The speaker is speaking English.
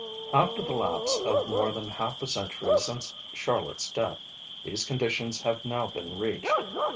After the lapse of more than half a century since Charlotte's death, these conditions have now been reached.